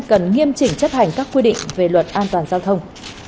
cần nghiêm chỉnh chấp hành các quy định về luật an toàn giao thông